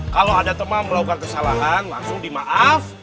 kalau ada teman melakukan kesalahan langsung dimaaf